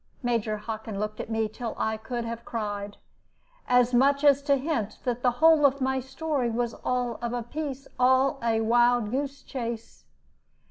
Major Hockin looked at me till I could have cried, as much as to hint that the whole of my story was all of a piece, all a wild goose chase.